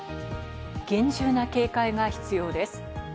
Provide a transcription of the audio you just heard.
厳重な警戒が必要です。